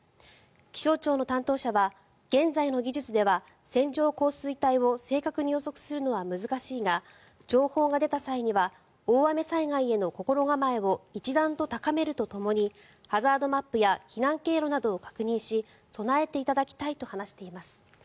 気象庁の担当者は現在の技術では線状降水帯を正確に予測するのは難しいが情報が出た際には大雨災害への心構えを一段と高めるとともにハザードマップや避難経路などを確認し備えていただきたいと話しています。